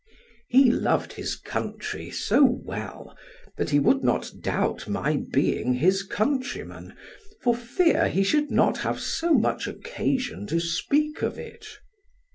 He loved his country so well, that he would not doubt my being his countryman, for fear he should not have so much occasion to speak of it.